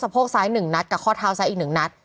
ยิงเข้าสะโพกซ้าย๑นัดกับข้อเท้าซ้ายอีก๑นัด